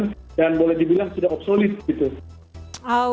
dan boleh dibilang sudah obsolete gitu